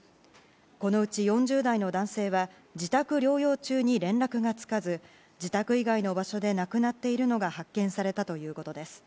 このうち、４０代の男性は自宅療養中に連絡がつかず自宅以外の場所で亡くなっているのが発見されたということです。